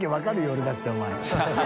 俺だってお前。